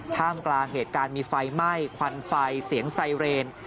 ท่ามกลางเหตุการณ์มีไฟไหม้ควันไฟเสียงไซเรน